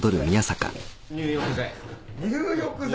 入浴剤。